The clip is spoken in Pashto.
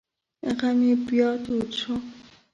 غم یې بیا تود شو.